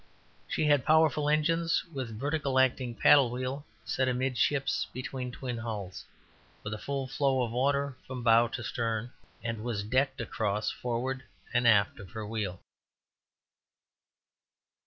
She had powerful engines, with vertical acting paddle wheel, set amidships between twin hulls, with a full flow of water from bow to stern, and was decked across forward and aft of her wheel.